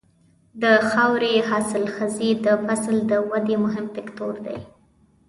د خاورې حاصلخېزي د فصل د ودې مهم فکتور دی.